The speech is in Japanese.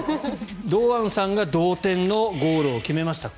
堂安さんが同点のゴールを決めました。